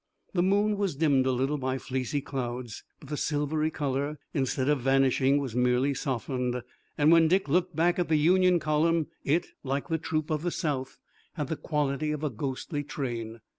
The moon was dimmed a little by fleecy clouds, but the silvery color, instead of vanishing was merely softened, and when Dick looked back at the Union column it, like the troop of the South, had the quality of a ghostly train.